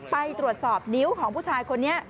ไปตรวจสอบนิ้วของผู้ชายคนนี้